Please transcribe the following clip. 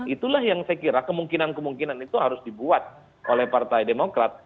itulah yang saya kira kemungkinan kemungkinan itu harus dibuat oleh partai demokrat